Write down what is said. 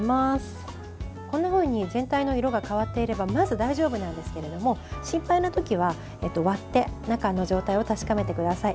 こんなふうに全体の色が変わっていればまず大丈夫なんですけれども心配なときは割って中の状態を確かめてください。